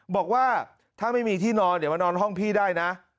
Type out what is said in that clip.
บอกว่าถ้าไม่มีที่นอนเดี๋ยวมานอนห้องพี่ได้นะ